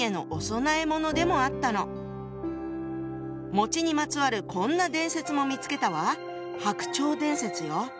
更ににまつわるこんな伝説も見つけたわ。